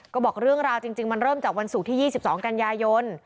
ก็บอกเรื่องราวจริงมันเริ่มจากวันศุกร์ที่๒๒กันยายน